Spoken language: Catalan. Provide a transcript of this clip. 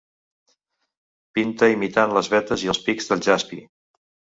Pinta imitant les vetes i els pics del jaspi.